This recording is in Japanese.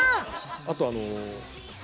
あとあの。